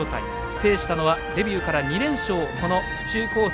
制したのは、デビューから２連勝府中コース